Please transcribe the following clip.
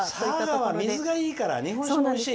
佐賀は水がいいから日本酒もおいしい。